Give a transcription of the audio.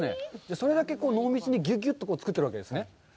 それだけ濃密に、ぎゅぎゅっと作っているわけですね。